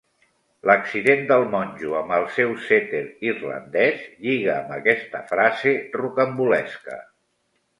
L'accident del monjo amb el seu setter irlandès lliga amb aquesta frase rocambolesca.